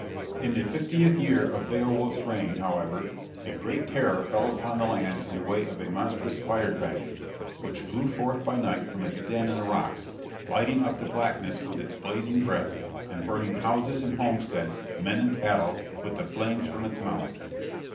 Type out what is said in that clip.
In the fiftieth year of Beowulf's reign, however, a great terror fell upon the land in the way of a monstrous fire dragon, which flew forth by night from its den in the rocks, lighting up the blackness with its blazing breath, and burning houses and homesteads, men and cattle, with the flames from its mouth.